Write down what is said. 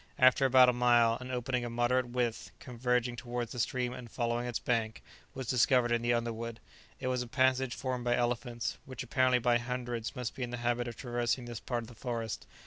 After about a mile, an opening of moderate width, converging towards the stream and following its bank, was discovered in the underwood. It was a passage formed by elephants, which apparently by hundreds must be in the habit of traversing this part of the forest.